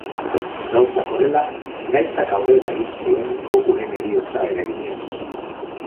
Gauzak horrela, gaitzak aurrera egin zuen Gokuren heriotza eraginez.